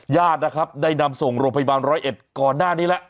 ญาตินะครับได้นำส่งโรงพยาบาลร้อยเอ็ดก่อนหน้านี้แล้ว